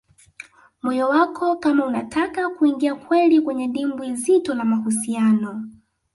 moyo wako kama unataka kuingia kweli kwenye dimbwi zito la mahusiano